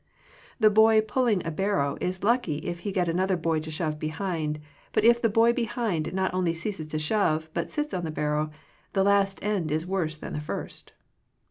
The boy pulling a barrow is lucky if he get another boy to shove behind, but if the boy behind not only ceases to shove, but sits on the barrow, the last end is worse than the first.